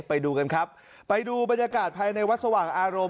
ไปดูกันครับไปดูบรรยากาศภายในวัดสว่างอารมณ์